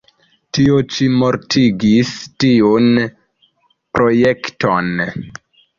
Tio ĉi mortigis tiun projekton.